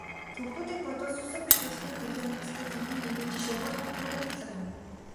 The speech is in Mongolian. Төвөдүүдийг бодвол сүсэг бишрэлгүй гэдгээ нотолдог тэдний нэгэн жишээ бол Хөх нуурын тахилга юм.